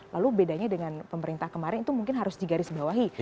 lalu bedanya dengan pemerintah kemarin itu mungkin harus digarisbawahi